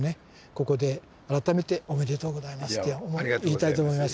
ここで改めておめでとうございますって言いたいと思います。